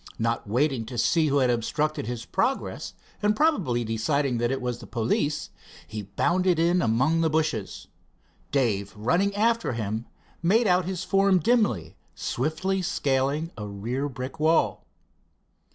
Not waiting to see who had obstructed his progress, and probably deciding that it was the police, he bounded in among some bushes. Dave, running after him, made out his form dimly, swiftly scaling a rear brick wall.